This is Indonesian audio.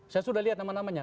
saya sudah lihat nama namanya